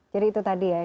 jadi itu tadi ya